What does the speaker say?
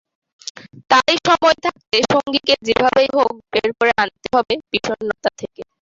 তাই সময় থাকতে সঙ্গীকে যেভাবেই হোক বের করে আনতে হবে বিষণ্নতা থেকে।